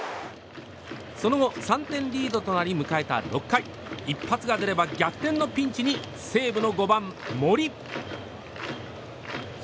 その後、３点リードとなり迎えた６回一発が出れば逆転のピンチに西武の５番、森。